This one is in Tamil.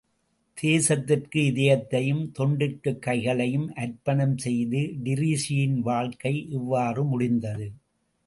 தேசத்திற்கு இதயத்தையும், தொண்டிற்குக் கைகளையும் அர்ப்பணம் செய்து டிரீஸியின் வாழ்க்கை இவ்வாறுமுடிந்தது.